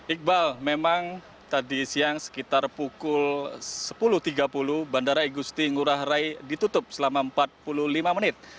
iqbal memang tadi siang sekitar pukul sepuluh tiga puluh bandara igusti ngurah rai ditutup selama empat puluh lima menit